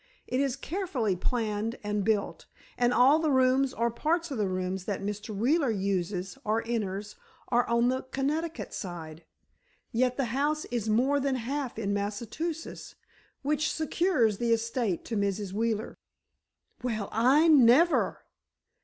It is carefully planned and built, and all the rooms or parts of rooms that Mr. Wheeler uses or enters are on the Connecticut side, yet the house is more than half in Massachusetts, which secures the estate to Mrs. Wheeler." "Well, I never!"